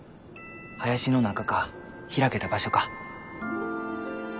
林の中か開けた場所か。